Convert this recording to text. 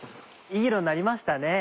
いい色になりましたね。